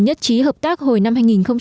nhất trí hợp tác hồi năm hai nghìn một mươi ba